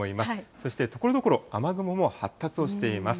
そしてところどころ、雨雲も発達をしています。